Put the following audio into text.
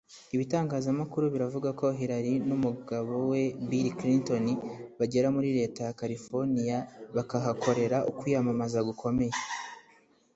Ibitangazamakuru biravuga ko Hillary n’umugabo we Bill Clinton bagera muri Leta ya California bakahakorera ukwiyamamaza gukomeye